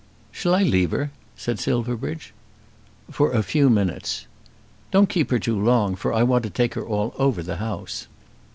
"Shall I leave her?" said Silverbridge. "For a few minutes." "Don't keep her too long, for I want to take her all over the house."